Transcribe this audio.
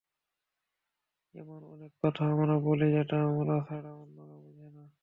এমন অনেক কথা আমরা বলি, যেটা আমরা ছাড়া অন্যরা বোঝে না।